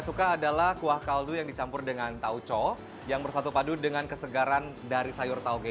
suka adalah kuah kaldu yang dicampur dengan tauco yang bersatu padu dengan kesegaran dari sayur tauge